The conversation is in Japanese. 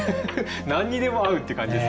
何にでも合うって感じですね。